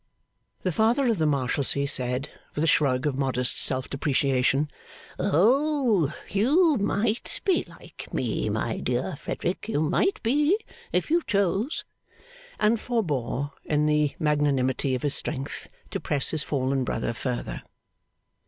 The Father of the Marshalsea said, with a shrug of modest self depreciation, 'Oh! You might be like me, my dear Frederick; you might be, if you chose!' and forbore, in the magnanimity of his strength, to press his fallen brother further.